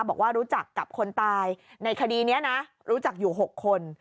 บอกว่ารู้จักกับคนตายในคดีนี้นะรู้จักอยู่๖คน